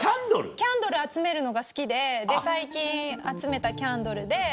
キャンドル集めるのが好きで。で最近集めたキャンドルで。